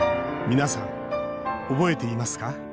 皆さん、覚えていますか？